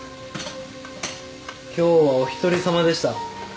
今日はお１人様でした。